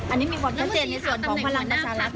อันนี้มีคำตอบที่เจนในส่วนของภัลังประชารัฐ